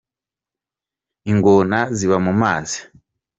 Ingona ziba mu mazi.